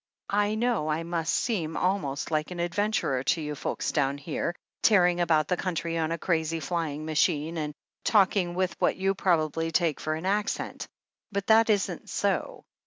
I know I must seem almost like an ad venturer to you folks down here, tearing about the cotmtry on a crazy flying machine, and talking with what you probably take for an accent. But that isn't so.